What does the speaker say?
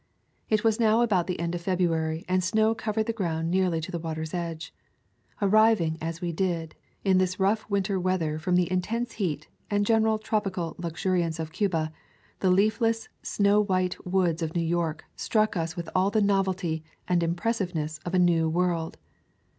It was now about the end of February and snow covered the ground nearly to the water's edge. Arriving, as we did, in this rough winter weather from the intense heat and gen eral tropical luxuriance of Cuba, the leafless, snow white woods of New York struck us with all the novelty and impressiveness of a new world.